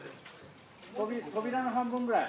扉の半分ぐらい。